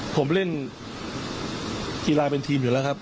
ผมเล่นกีฬาเป็นทีมอยู่แล้วครับ